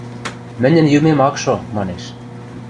Мӹньӹн йӱмем ак шо, – манеш.